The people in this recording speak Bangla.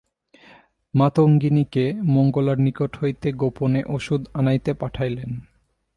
মাতঙ্গিনীকে মঙ্গলার নিকট হইতে গোপনে ঔষধ আনাইতে পাঠাইলেন।